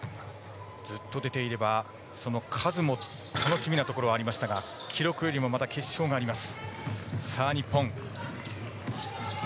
ずっと出ていればその数も楽しみなところはありましたが記録よりも決勝があります。